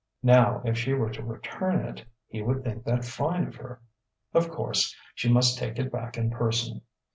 Now if she were to return it, he would think that fine of her.... Of course, she must take it back in person.